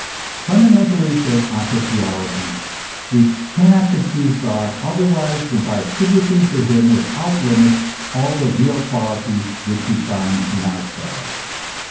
" Fundamentally," says onto theology, "we cannot conceive God otherwise than by attributing to him without limit all the real qualities which we find in ourselves."